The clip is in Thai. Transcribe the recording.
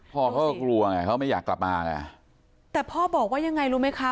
พ่อเขาก็กลัวไงเขาไม่อยากกลับมาไงแต่พ่อบอกว่ายังไงรู้ไหมคะ